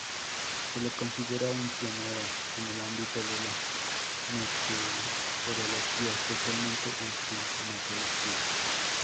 Se le considera un pionero en el ámbito de la meteorología, especialmente en climatología.